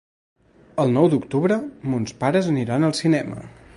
El nou d'octubre mons pares aniran al cinema.